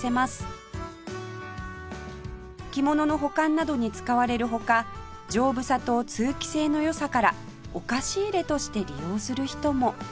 着物の保管などに使われるほか丈夫さと通気性の良さからお菓子入れとして利用する人も